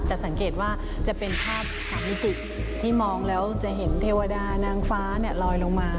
สังเกตว่าจะเป็นภาพสามิติที่มองแล้วจะเห็นเทวดานางฟ้าลอยลงมา